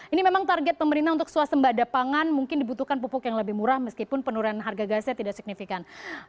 ini memang target pemerintah untuk suasembada pangan mungkin dibutuhkan pupuk yang lebih murah meskipun penurunan harga gasnya tidak signifikan